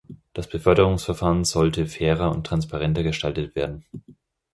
Das Beförderungsverfahren sollte fairer und transparenter gestaltet werden.